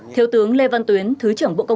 thiếu tướng lê văn tuyến thứ trưởng bộ công an